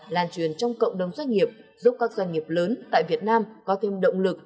lan truyền trong cộng đồng doanh nghiệp giúp các doanh nghiệp lớn tại việt nam có thêm động lực